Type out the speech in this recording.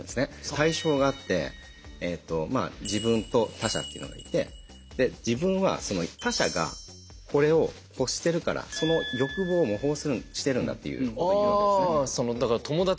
対象があって自分と他者っていうのがいて自分はその他者がこれを欲してるからその欲望を模倣してるんだっていう。